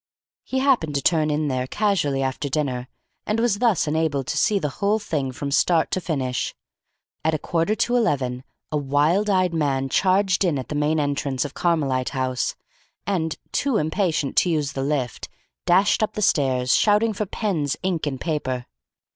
He happened to turn in there casually after dinner, and was thus enabled to see the whole thing from start to finish. At a quarter to eleven a wild eyed man charged in at the main entrance of Carmelite House, and, too impatient to use the lift, dashed up the stairs, shouting for pens, ink and paper.